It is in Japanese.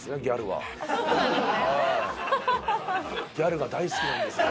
ギャルが大好きなんですよ。